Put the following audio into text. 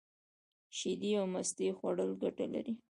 شیدې او مستې خوړل گټه لري.